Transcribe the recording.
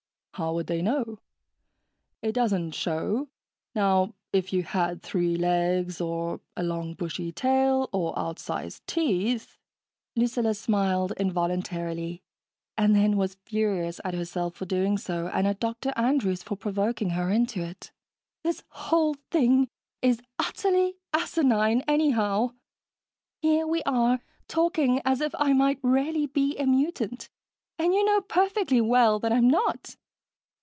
"How would they know? It doesn't show. Now if you had three legs, or a long bushy tail, or outsized teeth...." Lucilla smiled involuntarily, and then was furious at herself for doing so and at Dr Andrews for provoking her into it. "This whole thing is utterly asinine, anyhow. Here we are, talking as if I might really be a mutant, and you know perfectly well that I'm not."